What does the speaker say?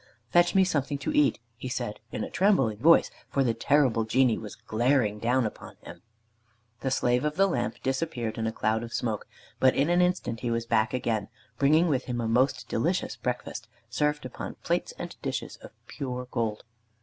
"Fetch me something to eat," he said in a trembling voice, for the terrible Genie was glaring down upon him. The Slave of the Lamp disappeared in a cloud of smoke, but in an instant he was back again, bringing with him a most delicious breakfast, served upon plates and dishes of pure gold.